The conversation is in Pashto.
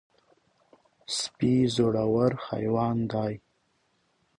سپي زړور حیوان دی.